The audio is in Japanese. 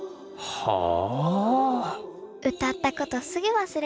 はあ。